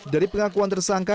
dari pengakuan tersangka